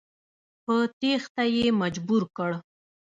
په تېښته یې مجبور کړ.